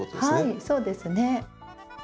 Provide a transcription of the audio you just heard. はいそうですね。